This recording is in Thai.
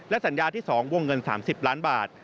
สัญญาที่๒วงเงิน๓๐ล้านบาท